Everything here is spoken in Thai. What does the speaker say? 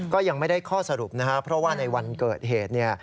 ก็ยังไม่ได้ข้อสรุปนะครับเพราะว่าในวันเกิดเหตุเนี่ย